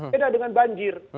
beda dengan banjir